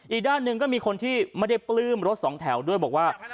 อีกด้านหนึ่งก็มีคนที่ไม่ได้ปลื้มรถสองแถวด้วยบอกว่า